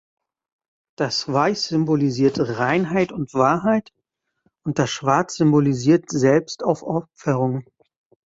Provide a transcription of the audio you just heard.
Das Weiß symbolisiert Reinheit und Wahrheit und das Schwarz symbolisiert Selbstaufopferung.